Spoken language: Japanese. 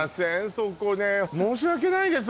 そこね申し訳ないです